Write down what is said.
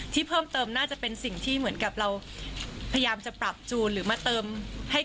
ที่เพิ่มเติมน่าจะเป็นสิ่งที่เหมือนกับเราพยายามจะปรับจูนหรือมาเติมให้